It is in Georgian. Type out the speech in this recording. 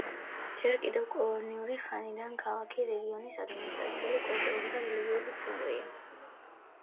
ჯერ კიდევ კოლონიური ხანიდან ქალაქი რეგიონის ადმინისტრაციული, კულტურული და რელიგიური ცენტრია.